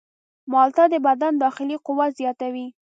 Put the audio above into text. مالټه د بدن داخلي قوت زیاتوي.